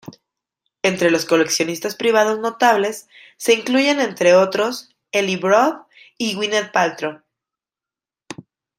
Entre los coleccionistas privados notables se incluyen, entre otros, Eli Broad y Gwyneth Paltrow.